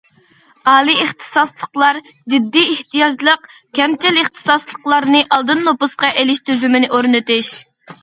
ئالىي ئىختىساسلىقلار، جىددىي ئېھتىياجلىق، كەمچىل ئىختىساسلىقلارنى ئالدىن نوپۇسقا ئېلىش تۈزۈمىنى ئورنىتىش.